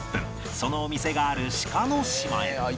そのお店がある志賀島へ